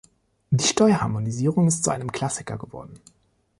Die Steuerharmonisierung ist zu einem Klassiker geworden.